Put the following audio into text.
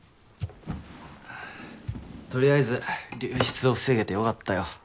とりあえず流出を防げて良かったよ。